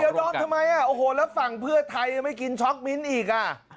เดี๋ยวดอมทำไมแล้วฝั่งเพื่อไทยไม่กินช็อกมิ้นอีก